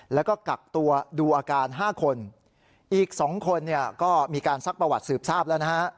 แล้วก็กักตัวดูอาการห้าคนอีก๒คนเนี่ยก็มีการซักประวัติสืบทราบแล้วนะฮะ